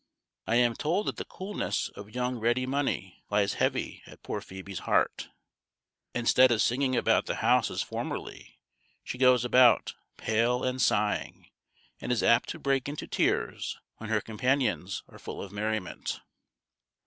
I am told that the coolness of Young Ready Money lies heavy at poor Phoebe's heart. Instead of singing about the house as formerly, she goes about, pale and sighing, and is apt to break into tears when her companions are full of merriment.